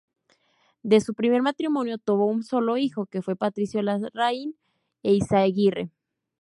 De su primer matrimonio tuvo un solo hijo, que fue Patricio Larraín Eyzaguirre.